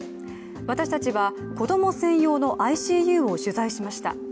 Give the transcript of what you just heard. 私たちは子供専用のＩＣＵを取材しました。